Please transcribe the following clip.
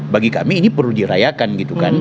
bagi kami ini perlu dirayakan gitu kan